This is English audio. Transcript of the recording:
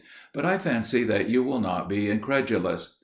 But I fancy that you will not be incredulous.